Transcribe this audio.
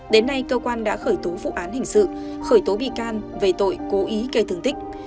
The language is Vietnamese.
đến nay cơ quan đã khởi tố vụ án hình sự khởi tố bị can về tội cố ý gây thương tích